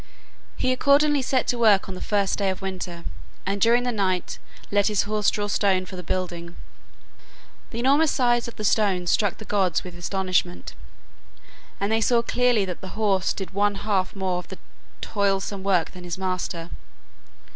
He accordingly set to work on the first day of winter, and during the night let his horse draw stone for the building. The enormous size of the stones struck the gods with astonishment, and they saw clearly that the horse did one half more of the toilsome work than his master.